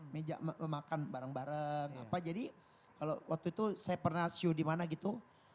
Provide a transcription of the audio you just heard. meja makan bareng bareng apa jadi kalau waktu itu saya pernah show dimana gitu